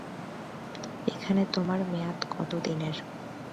এখানে তোমার মেয়াদ কতদিনের?